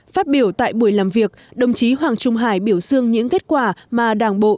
phát biểu tại buổi làm việc đồng chí hoàng trung hải biểu dương những kết quả mà đảng bộ